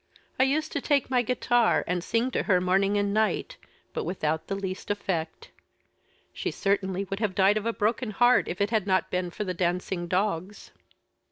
I used to take my guitar, and sing to her morning and night, but without the least effect. She certainly would have died of a broken heart, if it had not been for the dancing dogs."